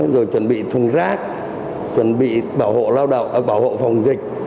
rồi chuẩn bị thuần rác chuẩn bị bảo hộ phòng dịch